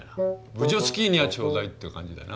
「ブジョスキーニャちょうだい」っていう感じだよな。